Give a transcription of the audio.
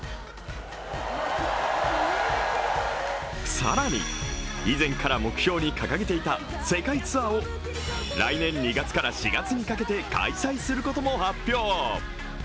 更に以前から目標に掲げていた世界ツアーを来年２月から４月にかけて開催することも発表。